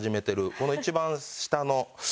この一番下の「？」